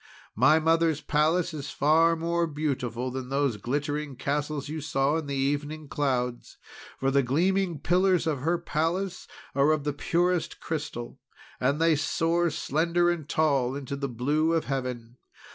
"My mother's palace is far more beautiful than those glittering castles you saw in the evening clouds. For the gleaming pillars of her palace are of the purest crystal, and they soar slender and tall into the blue of heaven.